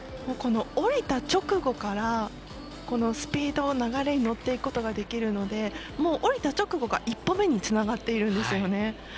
降りた直後からスピード流れに乗っていくことができるので、もう降りた直後が１歩目につながっているんですよね。